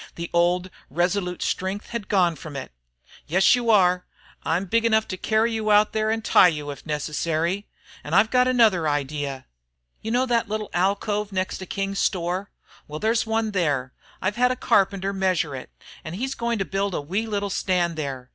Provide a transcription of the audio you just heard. The old, resolute strength had gone from it. "Yes, you are. I'm big enough to carry you out there and tie you if necessary. Then I've got another idea. You know that little alcove next to King's store? Well, there's one there. I've had a carpenter measure it, and he's going to build a wee little stand there.